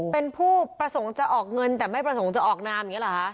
เป็นผู้ประสงค์จะออกเงินแต่ไม่ประสงค์จะออกนามอย่างนี้เหรอคะ